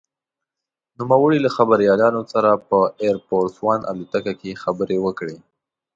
نوموړي له خبریالانو سره په «اېر فورس ون» الوتکه کې خبرې وکړې.